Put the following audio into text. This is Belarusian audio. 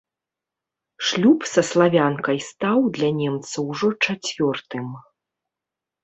Шлюб са славянкай стаў для немца ўжо чацвёртым.